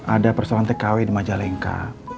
ada persoalan tkw di majalengka